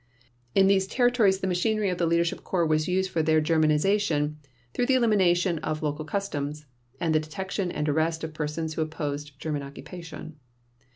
In those territories the machinery of the Leadership Corps was used for their Germanization through the elimination of local customs and the detection and arrest of persons who opposed German occupation.